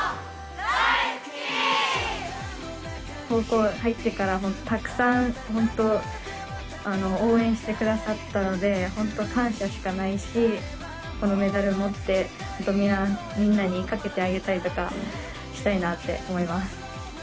高校入ってから、本当たくさん本当、応援してくださったので、本当、感謝しかないし、このメダル持って、みんなにかけてあげたりとかしたいなと思います。